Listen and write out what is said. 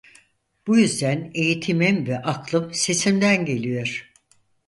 Bu yüzden eğitimim ve aklım sesimden geliyor.